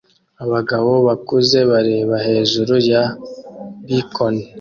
Abagabo bakuze bareba hejuru ya bkoni